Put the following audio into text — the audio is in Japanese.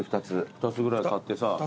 ２つぐらい買ってさ。